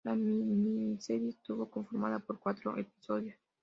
La miniserie estuvo conformada por cuatro episodios.